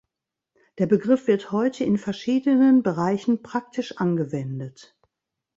Der Begriff wird heute in verschiedenen Bereichen praktisch angewendet.